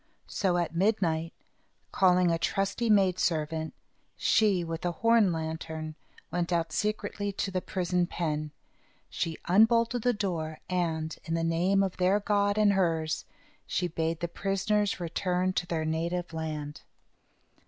So, at midnight, calling a trusty maid servant, she, with a horn lantern, went out secretly to the prison pen. She unbolted the door, and, in the name of their God and hers, she bade the prisoners return to their native land.